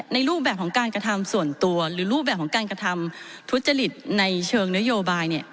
รูปแบบของการกระทำส่วนตัวหรือรูปแบบของการกระทำทุจริตในเชิงนโยบาย